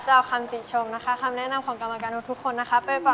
จะเอาคำติชมนะคะคำแนะนำของกรรมการทุกคนนะคะ